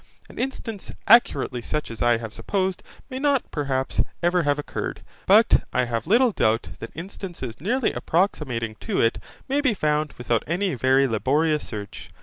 An instance, accurately such as I have supposed, may not, perhaps, ever have occurred, but I have little doubt that instances nearly approximating to it may be found without any very laborious search.